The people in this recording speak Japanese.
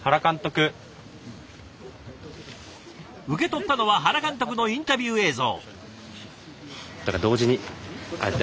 受け取ったのは原監督のインタビュー映像。